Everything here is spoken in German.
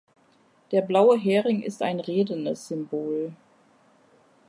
Der blaue Hering ist ein redendes Symbol.